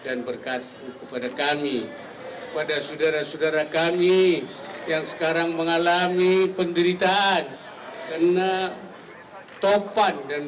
terima kasih kepada kami kepada saudara saudara kami yang sekarang mengalami penderitaan kena topan dan